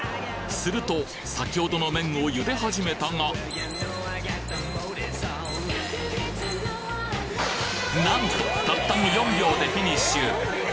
すると先ほどの麺をゆで始めたがなんとたったの４秒でフィニッシュ！